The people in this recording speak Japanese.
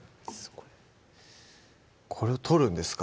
これこれを取るんですか？